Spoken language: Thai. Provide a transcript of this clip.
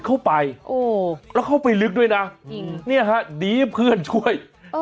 เข้าไปโอ้แล้วเข้าไปลึกด้วยนะจริงเนี่ยฮะดีเพื่อนช่วย